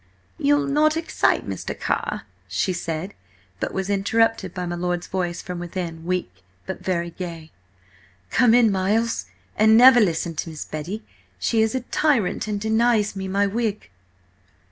"You'll not excite Mr. Carr?" she said, but was interrupted by my lord's voice from within, weak but very gay. "Come in, Miles, and never listen to Miss Betty! She is a tyrant and denies me my wig!"